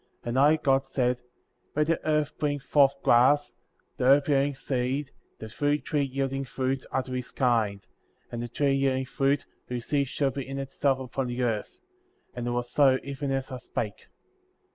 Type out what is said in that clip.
^ 11. And I, God, said: Let the earth bring forth grass, the herb yielding seed, the fruit tree yielding fruit, after his kind, and the tree yielding fruit, whose seed should be in itself upon the earth, and it was so even as I spake.